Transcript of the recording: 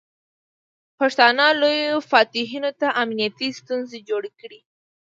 پښتانه لویو فاتحینو ته امنیتي ستونزې جوړې کړې.